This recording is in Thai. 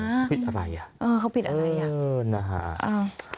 เขาปิดอะไรอ่ะอืมนะฮะเออเขาปิดอะไรอ่ะ